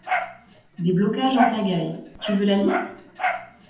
Des blocages en pagaille, tu veux la liste?